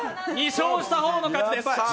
２勝した方の勝ちです。